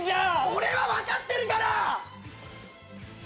俺は分かってるから！